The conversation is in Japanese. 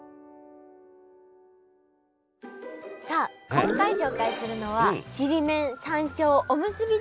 さあ今回紹介するのはちりめん山椒おむすびです！